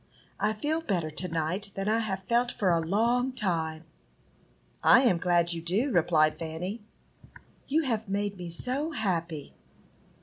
I feel better to night than I have felt for a long time." "I am glad you do," replied Fanny. "You have made me so happy!"